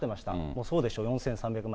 もうそうでしょう、４３００万円。